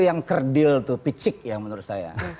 yang kerdil tuh picik yang menurut saya